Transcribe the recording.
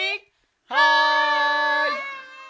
はい！